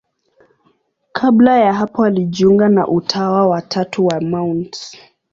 Kabla ya hapo alijiunga na Utawa wa Tatu wa Mt.